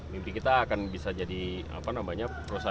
mimpi kita akan bisa jadi perusahaan perusahaan